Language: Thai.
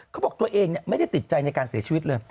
เขาบอกตัวเองไม่ได้ติดใจในการเสียชีวิตเลย